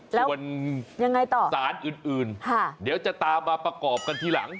ส่วนสารอื่นเดี๋ยวจะตามมาประกอบกันทีหลัง